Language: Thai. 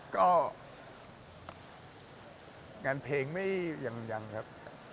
ก็งานเพลงไม่ยังครับ